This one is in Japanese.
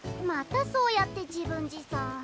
またそうやって自分自賛。